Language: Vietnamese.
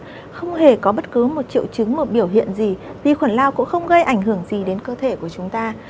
không hề có bất cứ một triệu chứng một biểu hiện gì vi khuẩn lao cũng không gây ảnh hưởng gì đến cơ thể của chúng ta